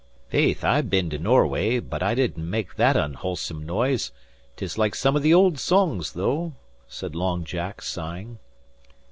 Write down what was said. "Faith, I've been to Norway, but I didn't make that unwholesim noise. 'Tis like some of the old songs, though," said Long Jack, sighing.